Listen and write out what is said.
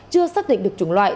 chưa xác định được chủng loại